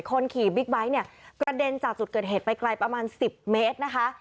คนขี่บิ๊กไบท์เนี่ยกระเด็นจากจุดเกิดเหตุไปไกลประมาณ๑๐เมตรนะคะ